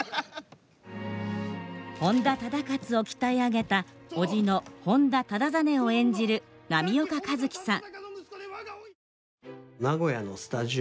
本多忠勝を鍛え上げた叔父の本多忠真を演じる波岡一喜さん。